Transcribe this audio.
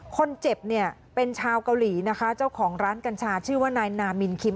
คนเจ็บเนี่ยเป็นชาวเกาหลีนะคะเจ้าของร้านกัญชาชื่อว่านายนามินคิม